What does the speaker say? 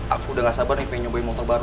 aku udah gak sabar nih pengen nyobain motor baru